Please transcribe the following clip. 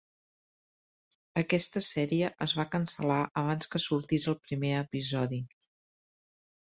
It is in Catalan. Aquesta sèrie es va cancel·lar abans que sortís el primer episodi.